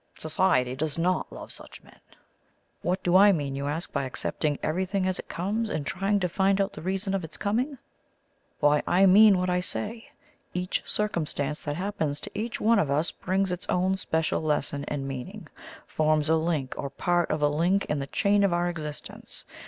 Society does not love such men. What do I mean, you ask, by accepting everything as it comes, and trying to find out the reason of its coming? Why, I mean what I say. Each circumstance that happens to each one of us brings its own special lesson and meaning forms a link or part of a link in the chain of our existence.